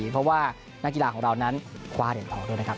เพราะว่านักกีฬาของเรานั้นคว้าเหรียญทองด้วยนะครับ